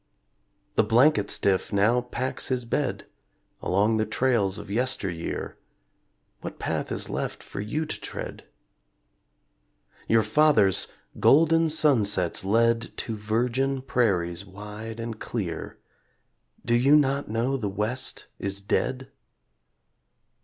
The "blanket stiff" now packs his bed Along the trails of yesteryear What path is left for you to tread? Your fathers, golden sunsets led To virgin prairies wide and clear Do you not know the West is dead?